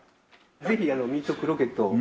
ぜひミートクロケットを。